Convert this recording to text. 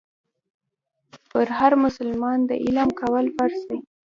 پر هر مسلمان د علم کول فرض دي.